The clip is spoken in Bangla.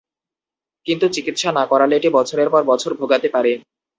কিন্তু চিকিৎসা না করালে এটি বছরের পর বছর ভোগাতে পারে।